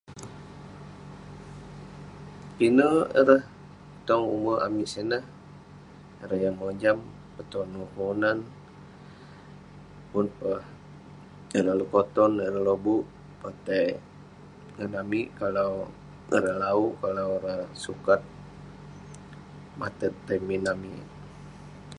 Pinek ireh tong ume amik sineh. Ireh yah mojam petonu kelunan. Pun peh ireh lekoton, ireh lobuk peh tai ngan amik kalau ireh lawu, kalau ireh sukat matet tai min amik.